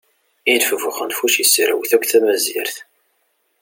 Ilef bu uxenfuc yesserwet akk tamazirt.